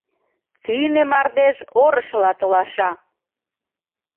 Тӱнӧ мардеж орышыла толаша...